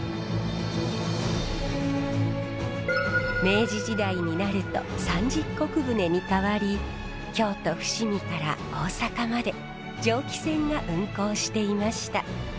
明治時代になると三十石船に代わり京都・伏見から大阪まで蒸気船が運航していました。